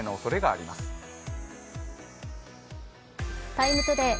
「ＴＩＭＥ，ＴＯＤＡＹ」